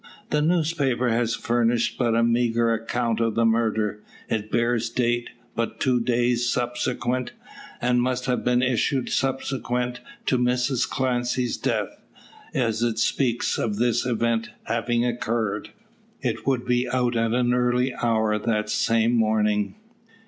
The newspaper has furnished but a meagre account of the murder. It bears date but two days subsequent, and must have been issued subsequent to Mrs Clancy's death, as it speaks of this event having occurred. It would be out at an early hour that same morning.